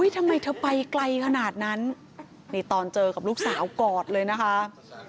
ทำไมเธอไปไกลขนาดนั้นนี่ตอนเจอกับลูกสาวกอดเลยนะคะ